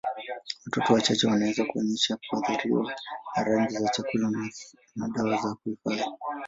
Watoto wachache wanaweza kuonyesha kuathiriwa na rangi za chakula na dawa za kuhifadhi.